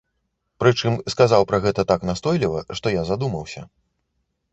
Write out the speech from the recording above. Прычым сказаў пра гэта так настойліва, што я задумаўся.